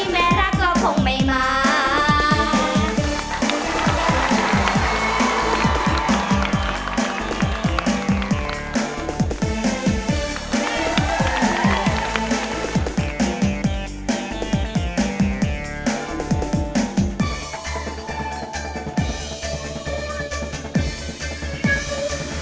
แม้รักก็คงไม่มา